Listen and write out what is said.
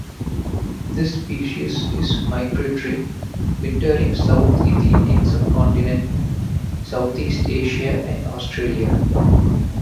This species is migratory, wintering south in the Indian Subcontinent, Southeast Asia and Australia.